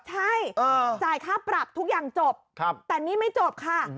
ใช่จ่ายค่าปรับทุกอย่างจบแต่นี่ไม่จบค่ะ